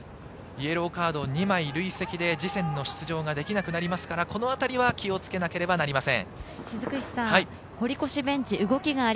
イエローカード２枚累積で次戦、出場できなくなりますから気を付けなければなりません。